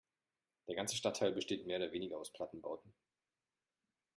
Der ganze Stadtteil besteht mehr oder weniger aus Plattenbauten.